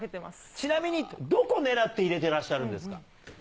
ちなみにどこ狙って入れてらっしゃるんですか？